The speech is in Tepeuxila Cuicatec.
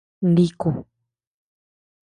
Niku.